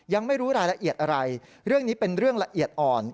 ยังไม่รู้รายละเอียดอะไรเรื่องนี้เป็นเรื่องละเอียดอ่อน